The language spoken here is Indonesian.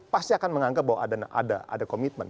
pasti akan menganggap bahwa ada komitmen